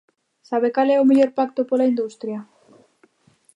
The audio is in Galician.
¿Sabe cal é o mellor pacto pola industria?